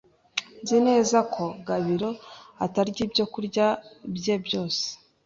Nzi neza ko Gabiro atarya ibyokurya bye byose.